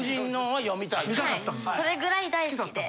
はいそれぐらい大好きで。